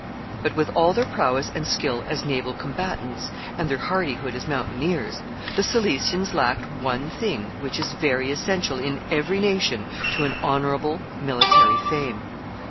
] But with all their prowess and skill as naval combatants, and their hardihood as mountaineers, the Cilicians lacked one thing which is very essential in every nation to an honorable military fame.